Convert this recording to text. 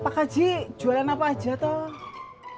pak haji jualan apa aja tuh